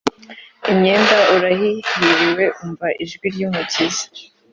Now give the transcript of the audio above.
Imyenda urayirihiwe umva ijwi ry’umukiza